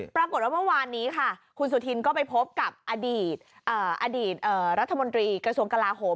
ปรากฏว่าเมื่อวานนี้ค่ะคุณสุธินก็ไปพบกับอดีตอดีตรัฐมนตรีกระทรวงกลาโหม